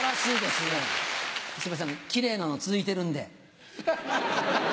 すみません、きれいなの続いてるんで。